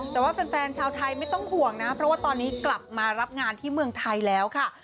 แต่ว่าแฟนชาวไทยไม่ต้องห่วงนะเพราะว่าตอนนี้กลับมารับงานที่เมืองไทยแล้วค่ะ